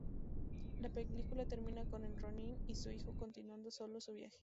La película termina con el ronin y su hijo continuando solos su viaje.